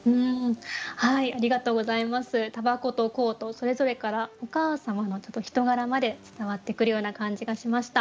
それぞれからお母様の人柄まで伝わってくるような感じがしました。